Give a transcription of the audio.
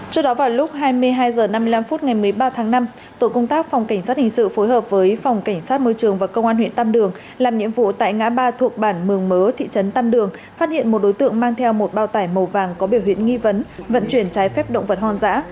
trước đó vào lúc hai mươi hai h năm mươi năm phút ngày một mươi ba tháng năm tổ công tác phòng cảnh sát hình sự phối hợp với phòng cảnh sát môi trường và công an huyện tam đường làm nhiệm vụ tại ngã ba thuộc bản mường mớ thị trấn tam đường phát hiện một đối tượng mang theo một bao tải màu vàng có biểu hiện nghi vấn vận chuyển trái phép động vật hoang dã